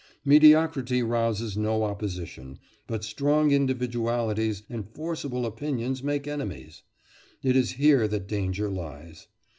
Mediocrity rouses no opposition, but strong individualities and forcible opinions make enemies. It is here that danger lies.